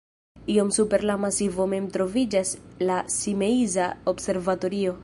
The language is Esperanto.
Iom super la masivo mem troviĝas la Simeiza observatorio.